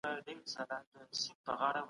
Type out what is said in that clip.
سياسي چلند بايد په ځيرتيا سره ولوستل سي.